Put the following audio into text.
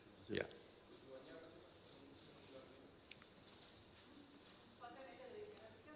pak saya nanya dari sini